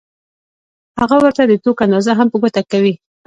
هغه ورته د توکو اندازه هم په ګوته کوي